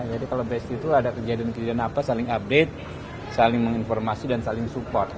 jadi kalau besti itu ada kejadian kejadian apa saling update saling menginformasi dan saling support